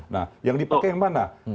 nah yang dipakai yang mana